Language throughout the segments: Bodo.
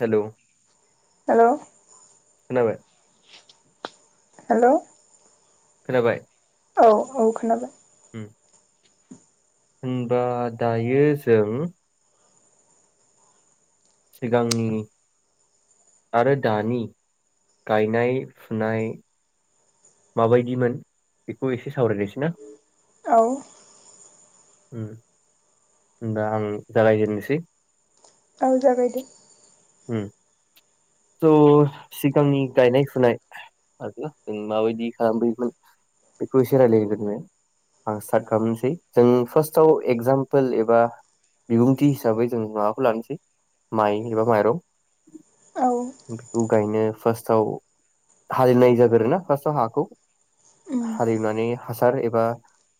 हेलौ। हेलौ। खोनाबाय? हेलौ। खोनाबाय? औ औ खोनाबाय। [unintelligible] होनबा दायो जों सिगांनि आरो दानि गायनाय फुनाय माबायदिमोन बेखौ एसे सावरायनोसै ना? औ। उम होनबा आं जागायजेननोसै। औ जागायदो। होम स सिगांनि गायनाय फुनाय आरो जों माबायदि खालामबोयोमोन बेखौ एसे रायलायग्रोनो आं स्टार्ट खालामनोसै जों फार्स्टाव एगजामपोल एबा बिबुंथि हिसाबै जों माबाखौ लानोसै माइ एबा माइरं। औ बेखौ गायनो फार्स्टआव हालेवनाय जाग्रोयोना फार्स्टआव हाखौ उम हालेवनानै हासार एबा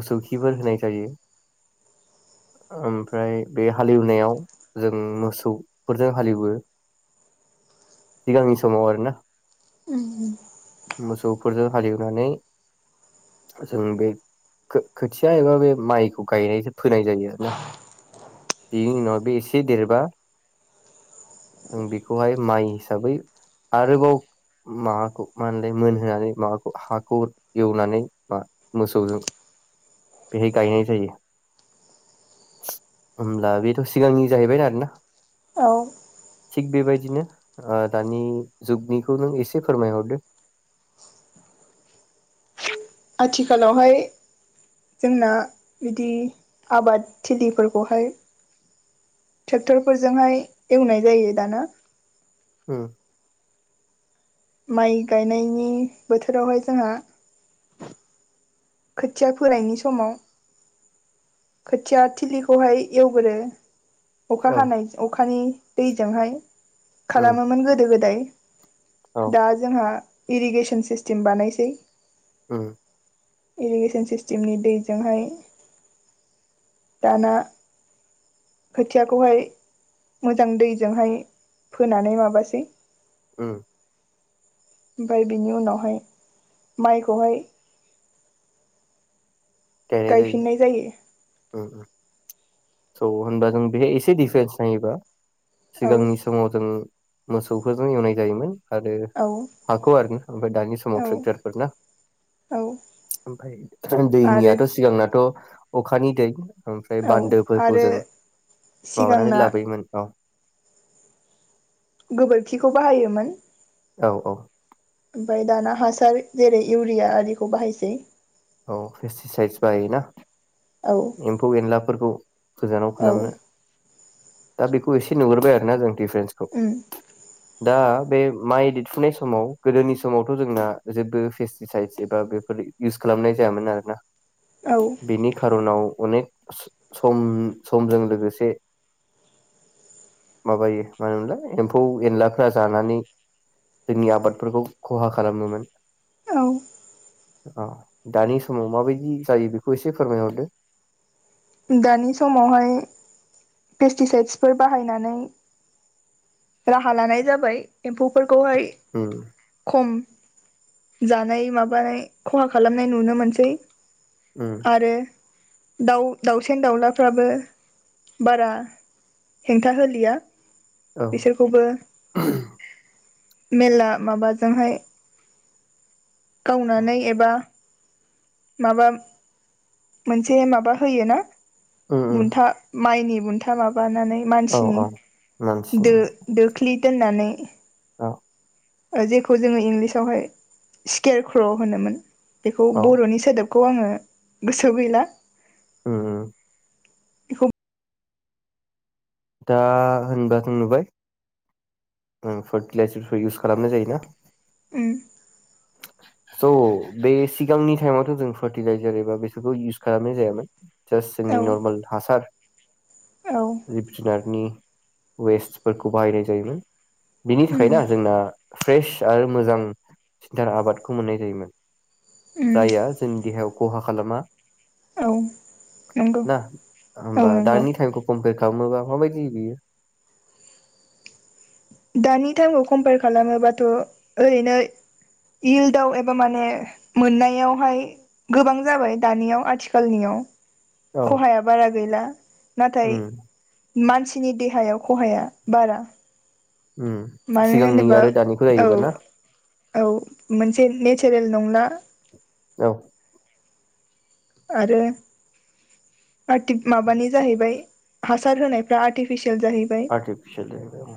मोसौ खिफोर होनाय जायो ओमफ्राय बे हालेवनायाव जों मोसौफोरजों हालेवो। सिगांनि समाव आरोना उम मोसौफोरजों हालेवनानै जों बे खो खोथिया एबा बे माइखौ गायनाय फोनाय जायो आरो ना बेनि उनाव बे एसे देरबा जों बे बेखौहाय माइ हिसाबै आरोबाव माबाखौ मा होनोमोनलाय मोनहोनानै माबाखौ हाखौ एवनानै मा मोसौजों बेहाय गायनाय जायो होमब्ला बेथ' सिगांनि जाहैबाय आरोना। औ। थिग बेबाय दिनो ओ दानि जुगनिखौ नों एसे फोरमायहरदो। आथिखालावहाय जोंना बिदि आबादथिलिफोरखौहाय ट्रेक्टर फोरजोंहाय एवनाय जायो दाना। ओम। माइ गायनायनि बोथोरावहाय जोंहा खोथिया फोनायनि समाव खोथिया थिलिखौहाय एवगोरो। अखा औ हानाय अखानि दैजोंहाय उम खालामोमोन गोदो-गोदाय। औ दा जोंहा इरिगेसन सिस्टेम बानायसै। ओम। इरिगेसन सिस्टेमनि दैजोंहाय दाना खोथियाखौहाय मोजां दैजोंहाय फोनानै माबासै ओम। ओमफाय बिनि उनावहाय माइखौहाय गायफिननाय जायो। उम उम स होनबा जों बे एसे दिेपारेन्स नायोबा औ सिगांनि समाव जों मोसौफोरजों एवनाय जायोमोन आरो औ हाखौ आरोना ओमफ्राय दानि समाव औ ट्रेक्टरफोर ना औ ओमफ्राय दैनिया आरो दाथ अखानि दै ओमफ्राय औ बान्दोफोरखौ आरो जों माबानानै सिगांना लाबोयोमोन अ । गोबोरखिखौ बाहायोमोन। औ औ। ओमफ्राय दाना हासार जेरै- इउरिया आरिखौ बाहायसै। औ पेस्टिसाइडस बाहायोना? औ एम्फौ एनलाफोरखौ गोजानाव औ खालामनो दा बेखौ एसे नुगुरबाय आरोना जों। दिपारेन्सखौ। उम दा बे माइ देरफुनाय समाव गोदोनि समावथ जोंना जेबो फेस्टिसाइदस एबा बेफोर इउस खालामनाय जायामोन आरोना। औ औ अनेक सम समजों लोगोसे माबायो मा होनोमोनलाय एम्फौ एनलाफ्रा जानानै जोंनि आबादफोरखौ खहा खालामोमोन औ अ दानि समाव माबायदि जायो बेखौ एसे फोरमायना हरदो दानि समावहाय पेस्टिसाइदसफोर बाहायनानै राहा लानाय जाबाय एम्फौफोर खौहाय उम खम जानाय माबानाय खहा खालामनाय नुनो मोनसै उम आरो दाउ दाउसेन दाउलाफ्राबो बारा हेंथा होलिया औ बिसोरखौबो मेलला माबाजोंहाय गावनानै एबा माबा मोनसे माबा होयो ना उम उम बुन्था माइनि बुन्था माबानानै औ औ मानसिनि दो मानसिनि दोख्लि दोननानै औ जेखौ जोङो इंलिसावहाय स्केर क्र होनोमोन बेखौ औ बरनि सोदोब खौ आङो गोसोआव गैला उम उम बेखौ दा होनबा जों नुबाय उम फार्टिलाइजारखौ इउस खालामनाय जायोना उम स बे सिगांनि टाइमावथ जों फार्टिलाइजार एबा बिसोरखौ इउस खालामनाय जायामोन। जास जोंनि औ नर्मेल हासार औ। जिब जुनारनि वेस्टफोरखौ बाहायनाय जायोमोन। बिनि उम थाखायना जोंना फ्रेश आरो मोजां सिनथार आबादखौ मोननाय जायोमोन। उम जायआ जोंनि देहायाव खहा खालामा। औ नंगौ ना औ होमबा नंगौ दानि टाइमखौ कमपेर खामोबा माबायदि बियो? दानि टाइमाव कम्पेयार खालामोबाथ' ओरैनो इल्दआव एबा माने मोननायावहाय गोबां जाबाय दानियाव आथिखालनियाव औ खहाया बारा गैला। नाथाय उम मानसिनि देहायाव खहाया बारा। उम मानो सिगांनि होनोबा आरो दानिखौ औ जायोबा ना औ मोनस से नेचारेल नंला। औ। आरो बारटिक माबानि जाहैबाय हासार होनायफ्रा आर्टिफिसि सियेल जाहैबाय आर्टिफिसियेल जाहैबाय औ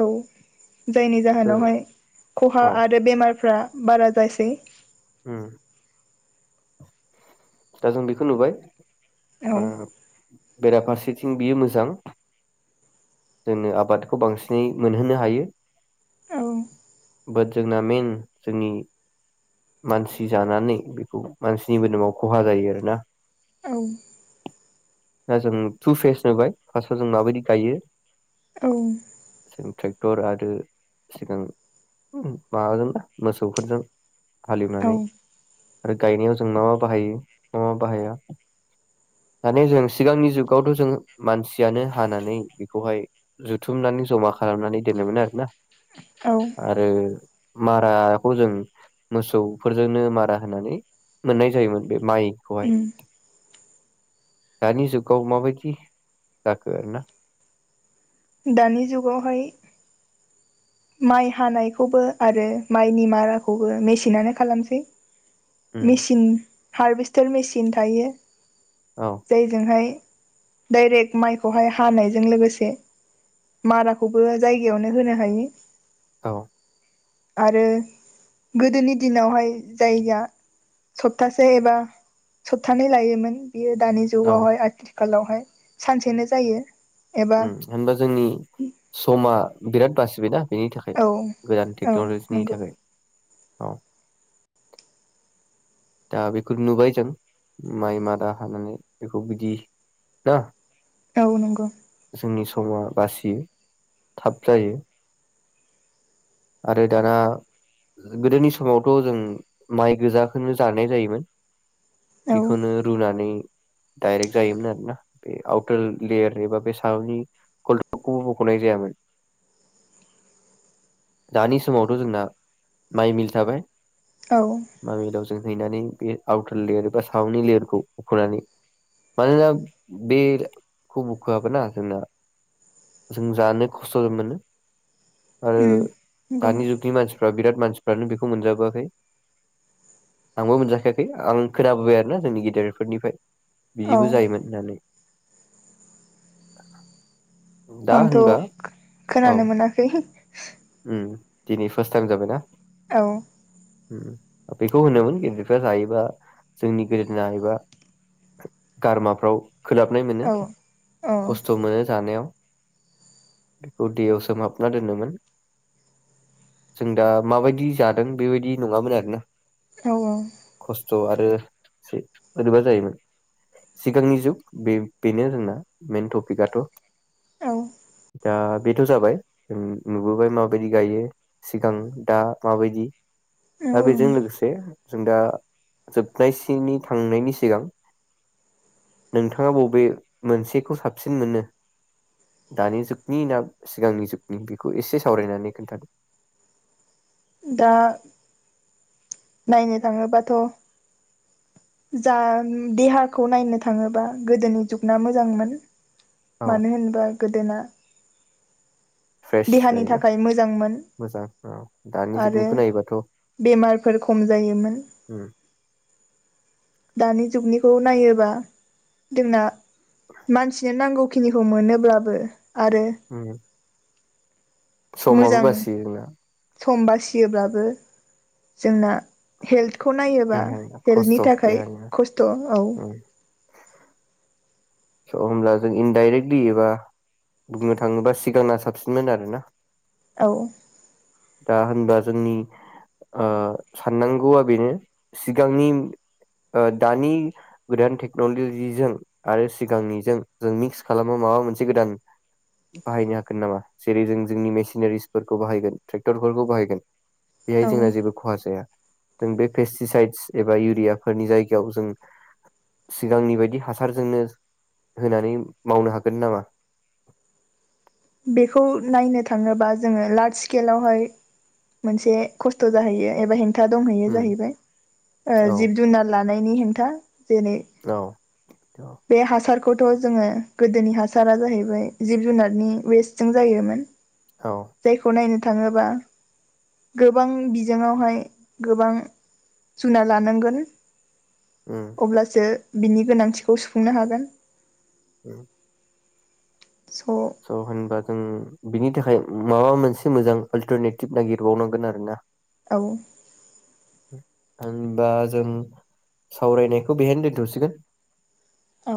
औ। जायनि जाहोनावहाय खहा औ आरो बेमारफ्रा बारा जायसै। उम। दा जों बेखौ नुबाय। औ आङो बेराफारसेथिं बियो मोजां जोंनो आबादखौ बांसिनै मोनहोनो हायो। औ बाट जोंना मेइन जोंनि मानसि जानानै बेखौ मानसिनि मोदोमाव खहा जायो आरोना। औ। दा जों टु फेस होबाय फार्स्टआव जों माबायदि गायो। औ। दर आरो सिगां उम माबाजोंना मोसौफोरजों। औ हालेवनानै आरो गायनायाव जों मा मा बाहायो मा मा बाहाया दानि जों सिगांनि जुगावथ' जों मानसियानो हानानै बेखौहाय जुथुमनानै जमा खालामनानै दोननोमोन आरोना। औ आरो माराखौ जों मोसौफोरजोंनो मारा होनानै मोननाय जायोमोन बे माइ खौहाय दानि जुगाव माबायदि जाखो आरोना दानि जुगावहाय माइ हानायखौबो आरो माइनि माराखौबो मेसिनानो खालामसै उम मेसिन हारभेस्टार मेसिन थायो। औ जायजोंहाय डायरेक्ट माइखौहाय हानायजों लोगोसे माराखौबो जायगायावनो होनो हायो। औ आरो गोदोनि दिनावहाय जायआ सप्तासे एबा सप्थानै लायोमोन। बियो दानि औ जुगयाव हाय [unintelligible] खालावहाय सानसेनो जायो। एबा उम होनबा जोंनि समा बिराट बासिबाय ना बेनि थाखाय औ गोदान औ टेक्टरनि नंगौ थाखाय औ दा बेखौ नुबाय जों माइ मादा हानानै बेखौ बिदि ना औ नंगौ जोंनि समा बासियो थाब जायो। आरो दाना गोदोनि समावथ' जों माइ गोजाखौनो जानाय जायोमोन। औ बेखौनो रुनानै डायरेक्ट जायोमोन आरोना बे आउटार लेयार एबा बे सानि कलटाखौबो बखनाय जायामोन। दानि समावथ' जोंना माइ मिल थाबाय औ माइ मिलाव हैनानै बे आउटार लेयार बा साउननि लेयारखौ बुखनानै मानोना बेखौ बुखआब ना जोंना जों जानो खस्थ' मोनो। आरो नंगौ दानि जुगनि मानसि फ्रा बिराद मानसिफ्रानो बेखौ मोनजाबोआखै आंबो मोनजाखायाखै आं खोनाबोबाय आरोना जोंनि गेदेरफोरनिफ्राय औ बिदिबो जायोमोन होननानै। [inaudible] आंथ' होनबा खोनानो मोनाखै ओम दिनै फास्ट टाइम जाबायना? औ ओम बेखौ होनोमोन गेदेरफ्रा जायोबा जोंनि गोदना एबा गारमाफ्राव खोलाबनाय मोनो औ औ खस्थ' मोनो जानायाव बेखौ दैयाव सोमहाबना दोनोमोन। जों दा माबायदि जादों बेबायदि नङामोन आरोना औ औ स आरो बोरैबा जायोमोन सिगांनि जुग बे बेनो जोंना मेइन टपिकआथ' औ दा बेथ' जाबाय। नुबोबाय माबायदि गायो सिगां दा माबायदि दा औ बेजों लोगोसे जों दा जोबनायसिनि थांनायनि सिगां नोंथाङा बबे मोनसेखौ साबसिन मोनो दानि जुगनि ना सिगांनि जुगनि बि? खौ इसे सावरायनानै खोन्थादो‌ दा नायनो थाङोबाथ' जा देहाखौ नायनो थाङोबा गोदोनि जुगना मोजांमोन। औ मानो होनबा गोदोना फ्रेश देहानि जायोना थाखाय मोजांमोन मोजां औ दानि आरो जुगनिखौ नायोबाथ' बेमारफोर खम जायोमोन। उम दानि जुगनिखौ नायोबा जोंना मानसिनो नांगौ खिनिखौ मोनोब्लाबो आरो उम समाबो मोजां बासियो जोंना। सम बासियोब्लाबो जोंना हेल्थखौ नायोबा देहाया हेल्थनि खस्थ' थाखाय देहानिया खस्थ' औ उम स होमब्ला जों इनडाइरेक्टलि एबा बुंनो थाङोबा सिगांना साबसिनमोन आरोना? औ दा होनबा जोंनि ओ साननांगौआ बेनो सिगांनि ओ दानि गोदान टेक्नलजिजों आरो सि सिगांनिजों जों मिक्स खालामो माबा मोनसे गोदान बाहायनो हागोन नामा? जेरै जों जोंनि मेसिनारिसफोरखौ बाहायगोन ट्रेक्टरफोरखौ बाहायगोन। बेहाय औ जोंना जेबो खहा जाया जों बे पेसिसाइद एबा इउरियाफोरनि जायगायाव जों सिगांनि बायदि हासारजोंनो होनानै मावनो हागोन नामा? बेखौ नायनो थाङोबा जोङो लार्ज स्केलावहाय मोनसे खस्थ' जाहैयो एबा हें था दंहोयो उम जाहैबाय ओ औ जिब जुनार लाथ जानायनि हेंथा। जेरै औ बे हासार खौथ' जोङो गोदोनि हासारा जाहैबाय जिब जुनारनि वेस्ट जों जायोमोन। औ जायखौ नायनो थाङोबा गोबां बिजोंआवहाय गोबां जुनार लानांगोन। उम अब्लासो बिनि गोनांथि खौ सुफुंनो हागोन। उम। स होनबा जों बिनि थाखाय माबा मोनसे मोजां अल्टारनेटिभ नागिरबावनांगोन आरोना। औ। आंनिबा जों सावरायनायखौ बेहायनो दोनथ'सिगोन। औ।